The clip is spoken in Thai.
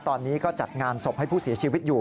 ตอนนี้ก็จัดงานศพให้ผู้เสียชีวิตอยู่